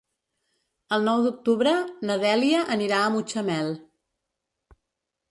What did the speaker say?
El nou d'octubre na Dèlia anirà a Mutxamel.